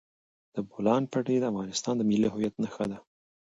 د بولان پټي د افغانستان د ملي هویت نښه ده.